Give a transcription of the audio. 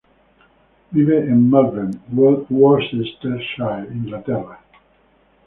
Vive en Malvern, Worcestershire, Inglaterra.